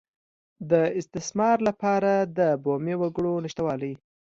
د استثمار لپاره د بومي وګړو نشتوالی.